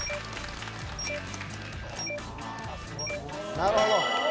なるほど。